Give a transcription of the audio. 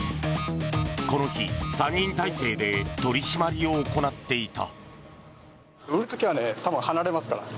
この日、３人態勢で取り締まりを行っていた。